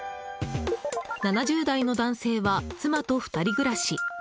７０代の男性は妻と２人暮らし。